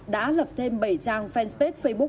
đã lập thêm bảy trang fanpage facebook